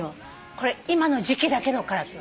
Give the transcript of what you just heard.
これ今の時期だけのカラスなの。